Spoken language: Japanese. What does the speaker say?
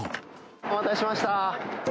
お待たせしました。